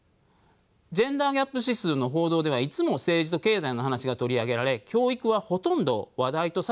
ジェンダーギャップ指数の報道ではいつも政治と経済の話が取り上げられ教育はほとんど話題とされていません。